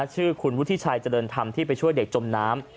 ชื่อคุณวุฒิชัยเจริญธรรมที่ไปช่วยเด็กจมน้ำ